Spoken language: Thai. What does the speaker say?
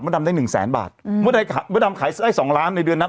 ดำได้หนึ่งแสนบาทอืมเมื่อใดมดดำขายได้สองล้านในเดือนนั้น